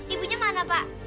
ibunya mana pak